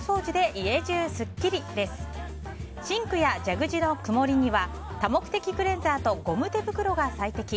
シンクや蛇口のくもりには多目的クレンザーとゴム手袋が最適。